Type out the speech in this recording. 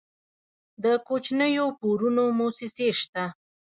د کوچنیو پورونو موسسې شته؟